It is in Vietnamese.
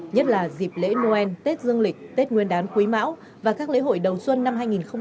nhất là dịp lễ noel tết dương lịch tết nguyên đán quý mão và các lễ hội đầu xuân năm hai nghìn hai mươi bốn